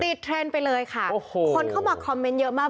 เทรนด์ไปเลยค่ะโอ้โหคนเข้ามาคอมเมนต์เยอะมาก